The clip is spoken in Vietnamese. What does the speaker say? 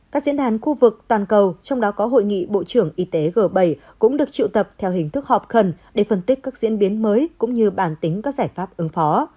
các diễn đàn khu vực toàn cầu trong đó có hội nghị bộ trưởng y tế g bảy cũng được triệu tập theo hình thức họp khẩn để phân tích các diễn biến mới cũng như bản tính các giải pháp ứng phó